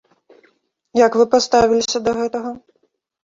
Як вы паставіліся да гэтага?